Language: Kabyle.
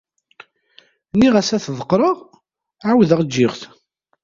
Nniɣ-as ad t-ḍeqqreɣ ɛawdeɣ ǧǧiɣ-t.